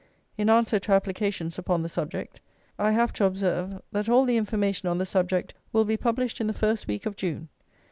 In answer to applications upon the subject, I have to observe, that all the information on the subject will be published in the first week of June.